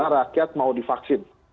rakyat mau divaksin